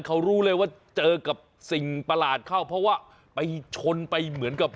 เขารู้เลยว่าเจอกับสิ่งประหลาดเข้าเพราะว่าไปชนไปเหมือนกับ